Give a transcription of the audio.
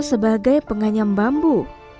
sebagai penganyam bambu